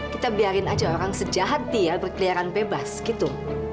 kita biarin aja orang sejahat dia berkeliaran bebas gitu